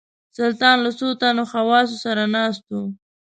سلطان له څو تنو خواصو سره ناست وو.